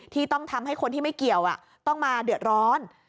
ที่ต้องทำให้คนที่ไม่เกี่ยวต้องมาเดือดร้อน